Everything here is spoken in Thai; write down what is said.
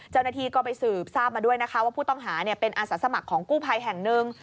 เจ้าหน้าที่ก็ไปสืบทราบมาด้วยนะคะว่าผู้ต้องหาเป็นอาสาสมัครของกู้ภัยแห่งหนึ่ง